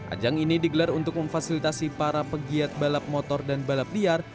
ajang ini digelar untuk memfasilitasi para pegiat balap motor dan balap liar